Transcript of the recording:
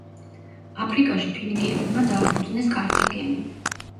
აფრიკაში ფინიკიელებმა დააფუძნეს კართაგენი.